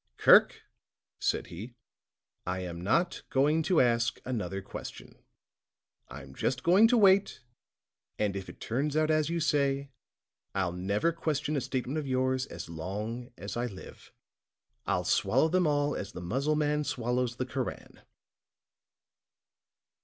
"Kirk," said he, "I am not going to ask another question. I'm just going to wait, and if it turns out as you say, I'll never question a statement of yours as long as I live. I'll swallow them all as the Mussulman swallows the Koran."